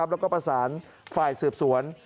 แล้วก็ประสานฝ่ายสืบสวน